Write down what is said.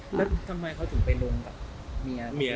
แล้วทำไมเขาถึงไปลงกับเมีย